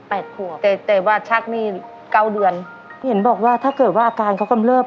แปดขวบก็จะได้ว่าช่างนี่เก้าเดือนเห็นบอกว่าถ้าเกิดว่าการเขากำลัง